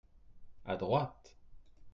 À droite.